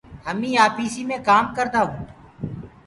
همينٚ آڦيِسي مي ڪآم ڪردآ هونٚ